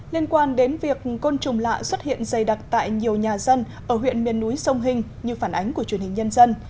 liên quan đến việc côn trùng lạ xuất hiện dày đặc tại nhiều nhà dân ở huyện miền núi sông hình như phản ánh của truyền hình nhân dân